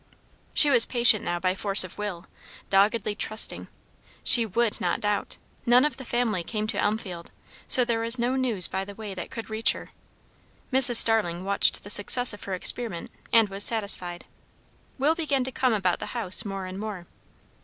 She was patient now by force of will; doggedly trusting. She would not doubt. None of the family came to Elmfield; so there was no news by the way that could reach her. Mrs. Starling watched the success of her experiment, and was satisfied. Will began to come about the house more and more.